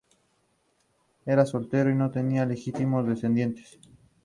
Era soltero y no tenía legítimos descendientes.